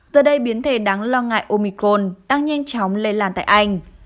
giờ đây biến thể đáng lo ngại omicron đang nhanh chóng lây lan tại anh